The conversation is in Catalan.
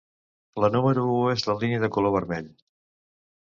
La número u és la línia de color vermell.